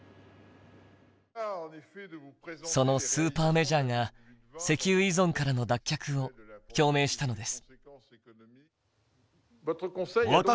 そのスーパーメジャーが石油依存からの脱却を表明したのです。